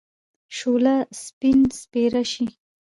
شوله! سپين سپيره شې.